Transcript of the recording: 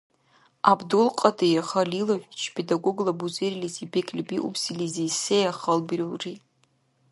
ГӀябдулкьадир Халилович, педагогла бузерилизиб бекӀлибиубсилизи се халбирулри?